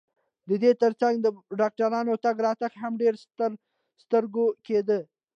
د دې ترڅنګ د ډاکټرانو تګ راتګ هم ډېر ترسترګو کېده.